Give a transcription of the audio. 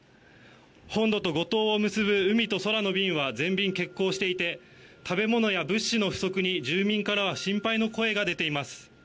本土と五島を結ぶ海と空の便は全便欠航していて食べ物や物資の不足に住民からは心配の声が出ています。